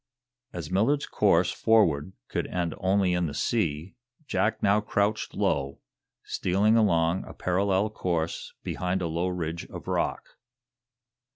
As Millard's course forward could end only in the sea, Jack now crouched low, stealing along a parallel course behind a low ridge of rock.